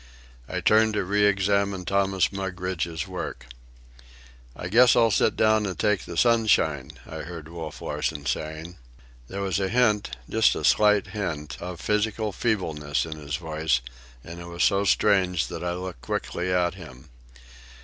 I turned to re examine Thomas Mugridge's work. "I guess I'll sit down and take the sunshine," I heard Wolf Larsen saying. There was a hint, just a slight hint, of physical feebleness in his voice, and it was so strange that I looked quickly at him.